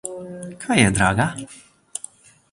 Kaj je draga?